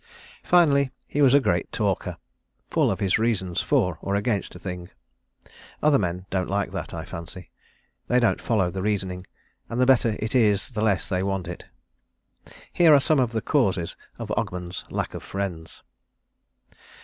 Finally, he was a great talker, full of his reasons for or against a thing. Other men don't like that, I fancy. They don't follow the reasoning; and the better it is the less they want it. Here are some of the causes of Ogmund's lack of friends.